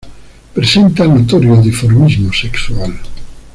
Presenta notorio dimorfismo sexual.